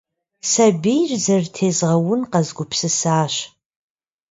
Сабийр зэрытезгъэун къэзгупсысащ.